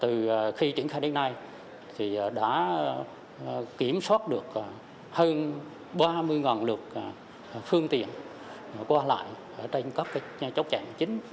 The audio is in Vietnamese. từ khi triển khai đến nay thì đã kiểm soát được hơn ba mươi lượt phương tiện qua lại trên các chốc chạy chính